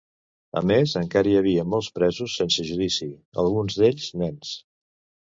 A més encara hi havia molts presos sense judici, alguns d'ells nens.